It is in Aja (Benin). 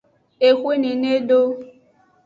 Exwe nene edo.